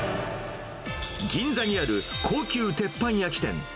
銀座にある高級鉄板焼き店。